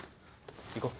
行こう。